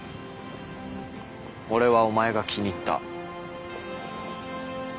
俺はお前が気に入った。